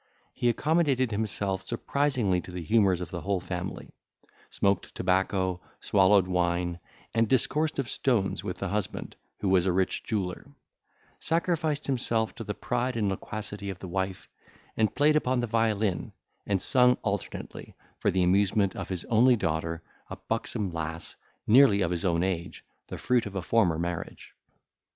He accommodated himself surprisingly to the humours of the whole family; smoked tobacco, swallowed wine, and discoursed of stones with the husband, who was a rich jeweller; sacrificed himself to the pride and loquacity of the wife; and played upon the violin, and sung alternately, for the amusement of his only daughter, a buxom lass, nearly of his own age, the fruit of a former marriage.